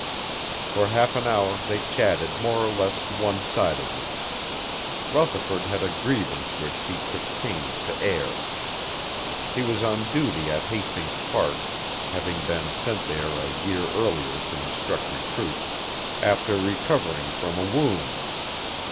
For half an hour they chatted more or less one sidedly. Rutherford had a grievance which he took pains to air. He was on duty at Hastings Park, having been sent there a year earlier to instruct recruits, after recovering from a wound.